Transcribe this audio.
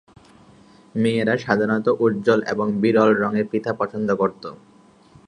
মেয়েরা সাধারণত উজ্জ্বল এবং বিরল রঙের ফিতা পছন্দ করত।